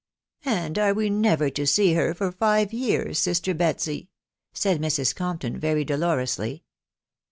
" And are we never to see her for five years, sister Betsy ?" tsaid Mrs. Corapton very dolorously.